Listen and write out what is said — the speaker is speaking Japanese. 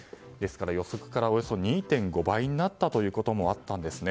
予測からおよそ２．５倍になったこともあったんですね。